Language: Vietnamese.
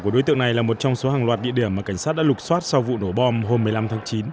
của đối tượng này là một trong số hàng loạt địa điểm mà cảnh sát đã lục xoát sau vụ nổ bom hôm một mươi năm tháng chín